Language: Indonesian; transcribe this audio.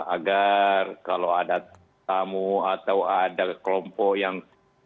agar kalau ada tamu atau ada kelompok yang